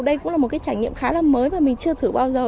đây cũng là một cái trải nghiệm khá là mới và mình chưa thử bao giờ